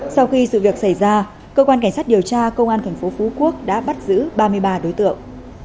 sau khi sự việc xảy ra cơ quan cảnh sát điều tra công an tp phú quốc đã bắt giữ ba mươi ba đối tượng